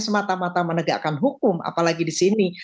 semata mata menegakkan hukum apalagi di sini